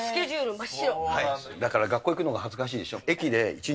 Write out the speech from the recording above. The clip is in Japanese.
だから学校行くのが恥ずかしいでしょ。